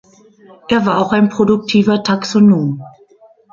Er war auch ein produktiver Taxonom.